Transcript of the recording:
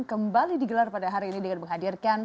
kembali digelar pada hari ini dengan menghadirkan